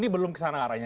belum kesana arahnya